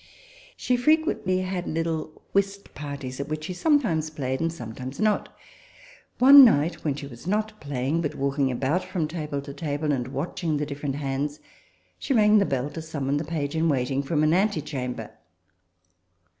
She frequently had little whist parties, at which she sometimes played, and some times not. One night, when she was not playing, but walking about from table to table, and watching the different hands, she rang the bell to summon the page in waiting from an antechamber.